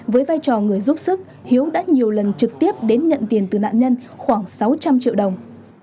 với vai trò người giúp sức hiếu đã nhiều lần trực tiếp đến nhận tiền từ nạn nhân khoảng sáu trăm linh triệu đồng